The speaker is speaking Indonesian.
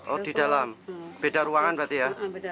oh di dalam beda ruangan berarti ya